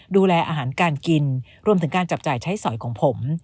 ดูแลอาหารการกินรวมถึงการจับจ่ายใช้สอยของผม